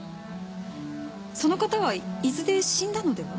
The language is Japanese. その方は伊豆で死んだのでは？